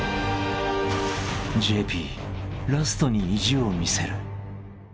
［ＪＰラストに意地を見せる］